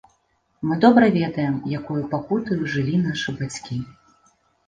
Мы добра ведаем, якою пакутаю жылі нашы бацькі.